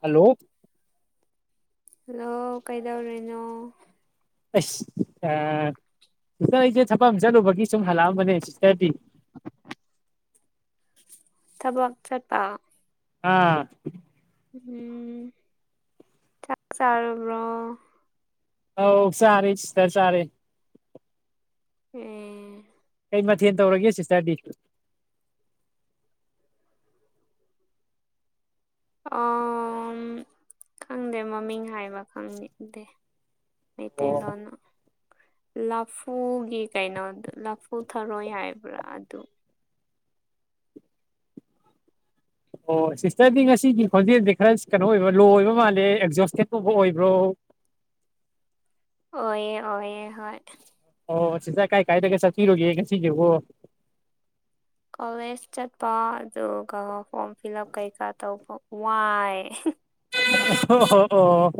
hello hello ꯀꯩꯗꯔꯦꯅꯣ ꯑꯁ sister ꯑꯩꯁꯦ ꯊꯕꯛ ꯑꯃ ꯆꯠꯂꯨꯕꯒꯤ ꯁꯨꯝ ꯍꯜꯂꯛꯑꯝꯕꯅꯦ ꯁꯤꯁꯇꯔꯗꯤ ꯊꯕꯛꯆꯔ ꯄ ꯑꯥ ꯎꯝ ꯆꯁꯔꯕ꯭ꯔꯣ ꯑ ꯁꯔꯦꯇ ꯁꯔꯦ ꯎꯝ ꯀꯩ ꯃꯊꯦꯜ ꯇꯧꯔꯒꯦ ꯁꯤ ꯆꯔꯗꯤ ꯑꯣ ꯈꯪꯗꯦ ꯃꯃꯤꯡ ꯍꯥꯏꯕ ꯈꯪꯅꯤꯡꯗꯦ ꯑꯣ ꯃꯤꯩꯇꯅ ꯋꯥꯅ ꯂꯐꯨꯒꯤ ꯀꯩꯅꯣꯗꯣ ꯂꯐꯨ ꯊꯔꯣꯏ ꯍꯥꯏꯕ꯭ꯔꯥ ꯑꯗꯨ ꯑꯣ ꯁꯤꯁꯇꯔꯗꯤ ꯉꯁꯤꯒꯤ ꯈꯣꯟꯖꯦꯜꯗꯤ ꯈꯔ ꯀꯩꯅꯣ ꯑꯣꯏꯕ ꯂꯣ ꯑꯣꯏꯕ ꯃꯥꯜꯂꯦ ꯑꯦꯛꯖꯣꯁꯇꯦꯠꯀꯨꯝꯕ ꯑꯣꯏꯕ꯭ꯔꯣ [unintelligible] ꯑꯣꯑ ꯑꯣꯏꯑ ꯍꯣꯏ ꯑꯣ ꯁꯤꯖ ꯀꯥꯏ ꯀꯥꯏꯗ ꯀꯩꯁ ꯆꯤꯔꯣꯒꯦ ꯉ ꯁꯤꯒꯦꯕꯨꯣ ꯀꯣꯂꯦꯖ ꯆꯠꯄ ꯑꯗꯨꯒ ꯐꯣꯔꯝ ꯐꯤꯜ ꯎꯞ ꯀꯩꯀꯥ ꯇꯧꯕ ꯋꯥꯏ ꯑꯣ ꯍꯣ ꯑꯣ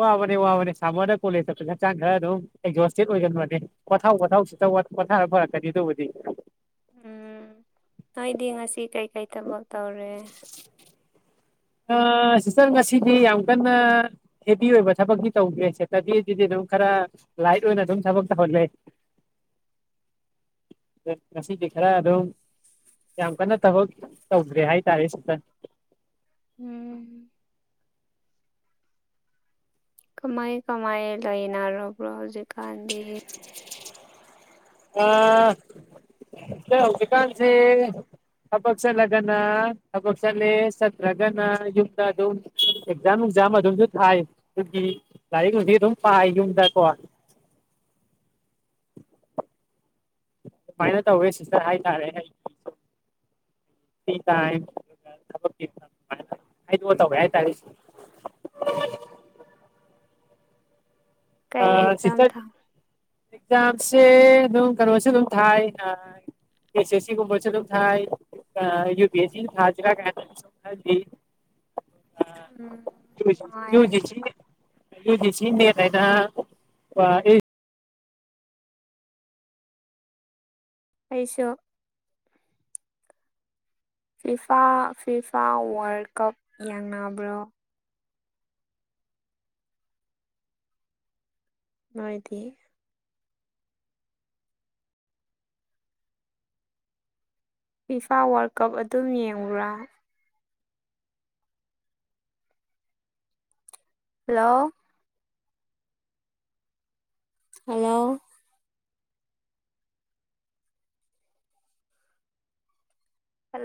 ꯋꯥꯕꯅꯦ ꯋꯥꯕꯅꯦ ꯁꯥꯃꯣꯅ ꯀꯣꯂꯦꯖꯇ ꯍꯛꯆꯥꯡ ꯈꯔ ꯑꯗꯨꯝ ꯑꯦꯛꯖꯣꯁꯇꯦꯠ ꯑꯣꯏꯒꯟꯕꯅꯦ ꯋꯥꯊꯥꯎ ꯋꯥꯊꯥꯎ ꯄꯊꯥꯔ ꯐꯔꯛ ꯀꯅꯤꯗꯨꯕꯨꯗꯤ ꯎꯝ ꯑꯩꯗꯤ ꯉꯁꯤ ꯀꯩꯀꯩ ꯊꯕꯛ ꯇꯧꯔꯦ ꯁꯤꯁꯇꯔ ꯉꯁꯤꯗꯤ ꯌꯥꯝ ꯀꯟꯅ ꯍꯦꯕꯤ ꯑꯣꯏꯕ ꯊꯕꯛꯗꯤ ꯇꯧꯗ꯭ꯔꯦ ꯁꯤꯇꯗꯤ ꯑꯗꯨꯗꯤ ꯑꯗꯨꯝ ꯈꯔ ꯂꯥꯏꯠ ꯑꯣꯏꯅ ꯑꯗꯨꯝ ꯊꯕꯛ ꯇꯧꯍꯂꯦ [unintelligible] ꯉꯁꯤ ꯈꯔ ꯑꯗꯨ ꯌꯥꯝ ꯀꯟꯅ ꯊꯕ ꯇꯧꯗ꯭꯭ꯔꯦ ꯍꯥꯏ ꯇꯔꯦꯁ ꯎꯝ ꯀꯃꯥꯏ ꯀꯃꯥꯏ ꯂꯩꯅꯔꯕ꯭ꯔꯣ ꯍꯧꯖꯤꯛꯀꯥꯟꯗꯤ ꯑ ꯍꯧꯗꯨꯀꯥꯟꯁꯤ ꯑ ꯊꯥꯕꯛ ꯆꯠꯂꯒꯅ ꯊꯕꯥꯛꯆꯠꯂꯦ ꯁꯇ꯭ꯔꯒꯅ ꯌꯨꯝꯗ ꯑꯗꯨꯝ ꯑꯦꯛꯖꯝ ꯑꯦꯛꯖꯥꯝ ꯑꯗꯨꯝꯁꯨ ꯊꯥꯏ ꯑꯗꯨꯒꯤ ꯂꯥꯏꯔꯤꯛ ꯍꯧꯅꯨꯡꯁꯨ ꯑꯗꯨꯝ ꯄꯥꯏ ꯌꯨꯝꯗꯀꯣ [unintelligible] ꯃꯥꯏꯅ ꯇ ꯑꯣꯏꯋꯦꯁꯤꯔ ꯍꯥꯏ ꯇꯔꯦ ꯍꯥꯏ ꯤ ꯇꯥꯏ ꯊꯕꯛꯃꯅ ꯍꯥꯏꯗꯑ ꯇꯧꯋꯦ ꯍꯥꯏꯇꯥꯔꯦ ꯁꯤ [unintelligible] ꯀꯩ ꯑꯦꯛꯖꯝ ꯊꯥ ꯑꯦꯖꯥꯝꯁꯦ ꯑꯗꯨꯝ ꯀꯔꯣꯁꯨ ꯑꯗꯨ ꯊꯥꯏ ꯑꯦꯁ ꯑꯦ ꯁꯤ ꯀꯨꯝꯕꯁ ꯑꯗꯨꯝ ꯊꯥꯏ ꯌꯨ ꯄ ꯑꯦꯁ ꯁꯤ ꯊꯖꯔ ꯀ ꯌ ꯎꯝ ꯅꯨꯡꯉꯥꯏꯔꯦ ꯌꯨꯖꯤꯁꯤ ꯌꯨꯖꯤꯁꯤ ꯅꯔ ꯑ ꯄꯩꯁꯣ ꯐꯤꯐꯥ ꯐꯤꯐꯥ ꯋꯥꯔꯜ ꯀꯞ ꯌꯦꯡꯅꯕ꯭ꯔꯣ ꯅꯣꯏꯗꯤ ꯐꯤꯐꯥ ꯋꯥꯔꯜ ꯀꯞ ꯑꯗꯨꯝ ꯌꯦꯡꯉꯨꯔꯥ ꯍꯜꯂꯣ ꯍꯜꯂꯣ